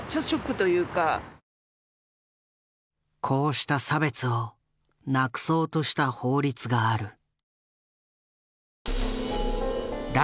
こうした差別をなくそうとした法律がある。